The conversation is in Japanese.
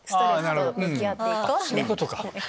そういうことか。